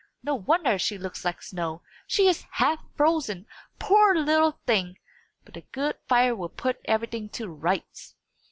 "No wonder she looks like snow. She is half frozen, poor little thing! But a good fire will put everything to rights."